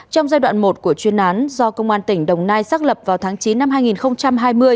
trong giai đoạn một của chuyên án do công an tỉnh đồng nai xác lập vào tháng chín năm hai nghìn hai mươi